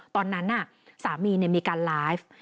ตอนนั้นสามีมีการไลฟ์